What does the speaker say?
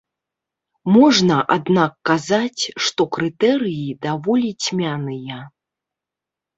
Можна, аднак, казаць, што крытэрыі даволі цьмяныя.